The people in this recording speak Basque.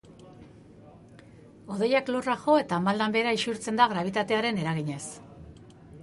Hodeiak lurra jo eta maldan behera isurtzen da grabitatearen eraginez.